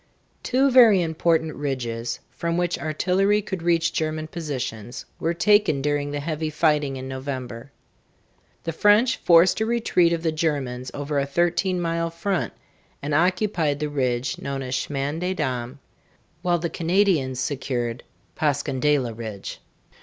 Two very important ridges, from which artillery could reach German positions, were taken during the heavy fighting in November. The French forced a retreat of the Germans over a thirteen mile front and occupied the ridge known as Chemin des Dames (shmăn dā dahm); while the Canadians secured Passchendaele (pahss ken dĕl´ā) Ridge.